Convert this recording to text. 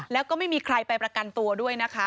แล้วก็ไม่มีใครไปประกันตัวด้วยนะคะ